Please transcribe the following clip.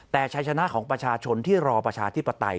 แต่ชัยชนะของประชาชนที่รอประชาธิปไตย